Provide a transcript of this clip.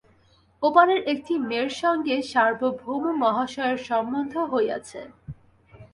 ও পারের একটি মেয়ের সঙ্গে সার্বভৌম মহাশয়ের সম্বন্ধ হইয়াছে।